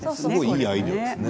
いいアイデアですね。